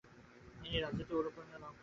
তিনি রাজনীতির অনুপ্রেরণা লাভ করেছিলেন।